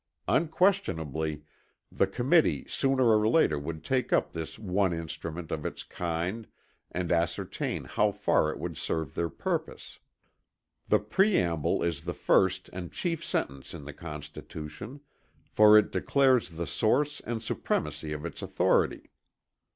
Unquestionably the Committee sooner or later would take up this one instrument of its kind and ascertain how far it would serve their purpose. The preamble is the first and chief sentence in the Constitution; for it declares the source and supremacy of its authority.